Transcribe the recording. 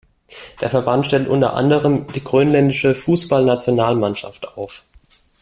Der Verband stellt unter anderem die Grönländische Fußballnationalmannschaft auf.